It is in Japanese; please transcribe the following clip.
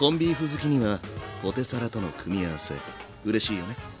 好きにはポテサラとの組み合わせうれしいよね。